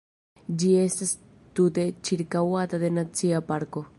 Ĝi estas tute ĉirkaŭata de nacia parko.